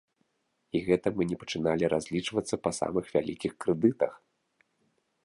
І гэта мы не пачыналі разлічвацца па самых вялікіх крэдытах!